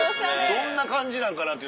どんな感じなんかなっていうの。